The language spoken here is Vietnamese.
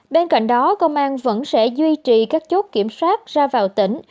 bên cạnh đó công an vẫn sẽ duy trì các chốt kiểm soát ra vào tỉnh